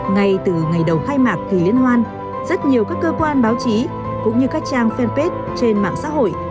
ngay từ ngày đầu khai mạc kỳ liên hoan rất nhiều các cơ quan báo chí cũng như các trang fanpage trên mạng xã hội